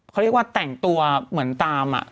เขาเรียกว่าแต่งตัวเหมือนตาม